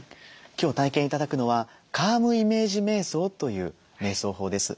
今日体験頂くのはカームイメージめい想というめい想法です。